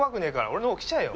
俺の方来ちゃえよ！